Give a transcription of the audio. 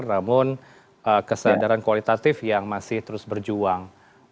namun kesadaran kualitatif yang masih terus berjuang